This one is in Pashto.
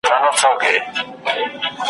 نن پخپله د ښکاري غشي ویشتلی `